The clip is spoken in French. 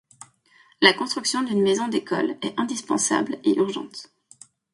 La construction d'une Maison d'École est indispensable et urgente.